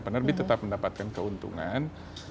penerbit tetap mendapatkan keuntungan